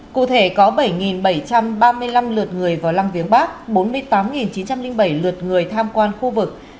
cụ thể có bảy bảy trăm ba mươi năm lượt người vào lăng viếng bắc bốn mươi tám chín trăm linh bảy lượt người tham quan khu vực